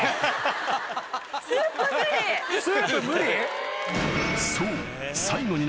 スープ無理？